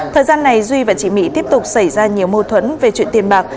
thời gian này duy và chị mỹ tiếp tục xảy ra nhiều mâu thuẫn về chuyện tiền bạc